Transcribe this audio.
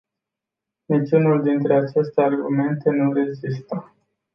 Niciunul dintre aceste argumente nu rezistă.